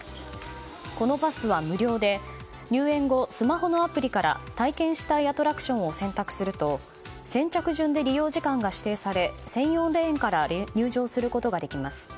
このパスは無料で入園後、スマホのアプリから体験したいアトラクションを選択すると先着順で利用時間が指定され専用レーンから入場することができます。